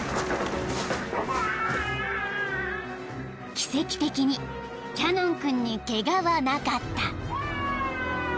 ・［奇跡的にキャノン君にケガはなかった］